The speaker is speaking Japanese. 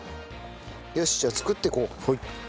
よしじゃあ作っていこう。